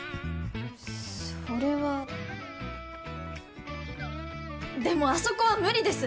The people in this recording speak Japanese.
それはでもあそこは無理です！